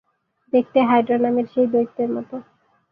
দেখতে "হাইড্রা" নামের সেই দৈত্যের মতো।